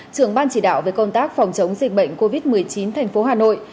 trường ban chỉ đạo về công tác phòng chống dịch bệnh covid một mươi chín tp hà nội